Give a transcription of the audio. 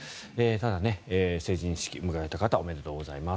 ただ、成人式を迎えた方はおめでとうございます。